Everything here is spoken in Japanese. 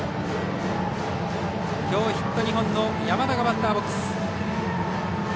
きょうヒット２本の山田がバッターボックス。